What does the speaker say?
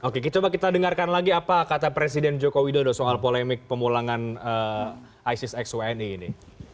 oke coba kita dengarkan lagi apa kata presiden joko widodo soal polemik pemulangan isis x wni ini